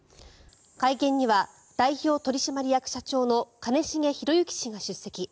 会見には、代表取締役社長の兼重宏行氏が出席。